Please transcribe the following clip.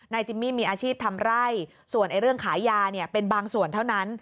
จิมมี่มีอาชีพทำไร่ส่วนเรื่องขายยาเป็นบางส่วนเท่านั้น